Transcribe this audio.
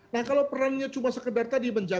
nah kalau perannya cuma sekedar tadi